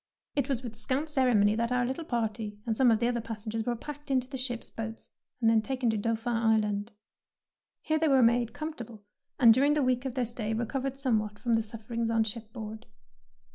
'' It was with scant ceremony that our little party and some of the other pas sengers were packed into the ship's boats and taken to Dauphin Island. Here they were made comfortable, and during the week of their stay recov ered somewhat from the sufferings on shipboard.